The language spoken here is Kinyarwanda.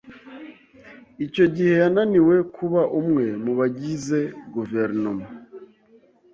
Icyo gihe yananiwe kuba umwe mu bagize guverinoma.